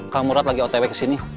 kang murad lagi otw kesini